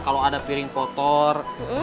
kalau ada piring kotor